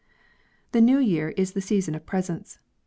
The New Year is the season of presents.